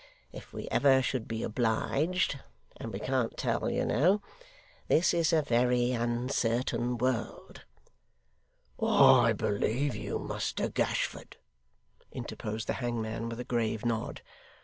If we ever should be obliged and we can't tell, you know this is a very uncertain world' 'I believe you, Muster Gashford,' interposed the hangman with a grave nod.